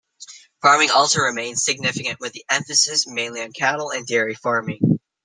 Farming also remains significant with the emphasis mainly on cattle and dairy farming.